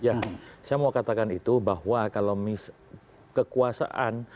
ya saya mau katakan itu bahwa kalau kekuasaan